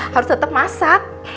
harus tetep masak